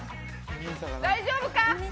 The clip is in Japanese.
大丈夫か。